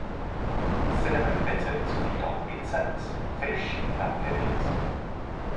Cinnamon bitterns feed on insects, fish and amphibians.